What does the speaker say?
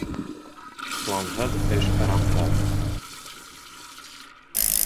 Планһыҙ эш ырамһыҙ.